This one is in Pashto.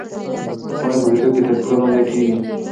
پاڼې په کوڅو کې تر پښو لاندې کېږي.